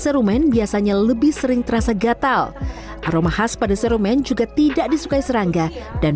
serumen biasanya lebih sering terasa gatal aroma khas pada serumen juga tidak disukai serangga dan